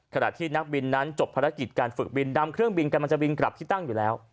ขณะที่นักบินนั้นจบภารกิจการฝึกบินดำเครื่องบินกำลังจะบินกลับที่ตั้งอยู่แล้ว